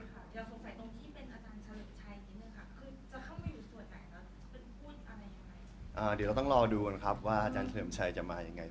เดี๋ยวเราต้องรอดูกันครับว่าอาจารย์เฉลิมชัยจะมายังไง